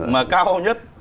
mà cao nhất